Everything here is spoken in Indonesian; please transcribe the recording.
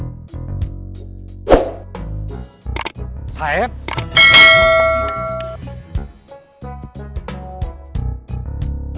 aku mau panggil nama atu